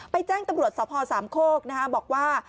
ไปแจ้งตำรวจสอบฮสามโค้กนะคะบอกว่า